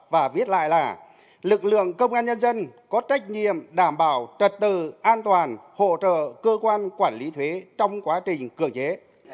và viết lại là lực lượng công an nhân dân có trách nhiệm đảm bảo trật tự an toàn hỗ trợ cơ quan quản lý thuế trong quá trình cưỡng chế